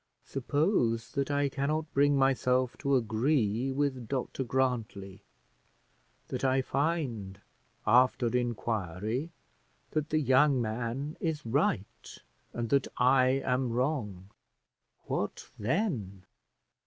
Suppose that I cannot bring myself to agree with Dr Grantly! that I find, after inquiry, that the young man is right, and that I am wrong, what then?"